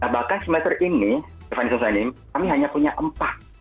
bahkan semester ini tiffany sonding kami hanya punya empat